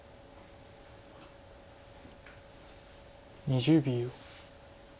２０秒。